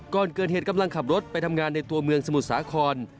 ก่อนเกิดเหตุกำลังขับรถไปทำงานในตัวเมืองสมุทรสาคร